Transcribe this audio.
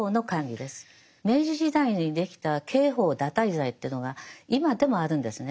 明治時代にできた刑法堕胎罪っていうのが今でもあるんですね。